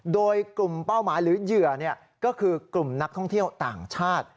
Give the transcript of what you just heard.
โดยกลุ่มเป้าหมายหรือเหยื่อก็คือกลุ่มนักท่องเที่ยวต่างชาติ